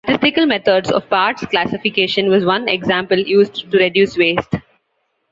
Statistical methods of parts classification was one example used to reduce waste.